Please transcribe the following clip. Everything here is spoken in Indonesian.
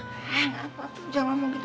gak apa apa jangan mau gitu